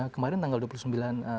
kemarin tanggal dua puluh sembilan